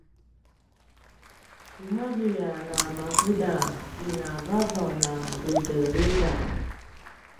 kumalji a namakuda kina vavaw na ludeludan